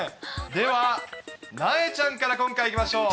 では、なえちゃんから今回いきましょう。